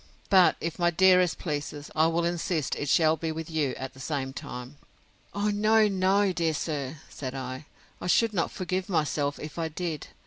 But, if my dearest please, I will insist it shall be with you at the same time. O, no, no, dear sir! said I; I should not forgive myself, if I did.